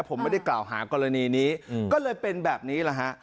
ผมไม่ได้กล่าวหากรณีนี้ก็เลยเป็นแบบนี้แหละฮะ